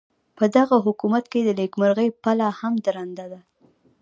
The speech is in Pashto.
پدغه حکومت کې د نیکمرغۍ پله هم درنده ده.